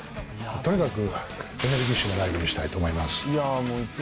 とにかくエネルギッシュなライブにしたいなと思います。